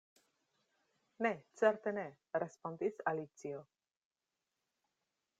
"Ne, certe ne!" respondis Alicio.